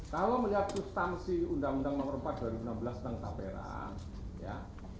kalau melihat substansi undang undang nomor empat dua ribu enam belas tentang tapera ya